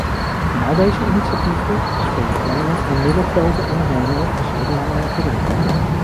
In al deze initiatieven spelen kleine en middelgrote ondernemingen een zeer belangrijke rol.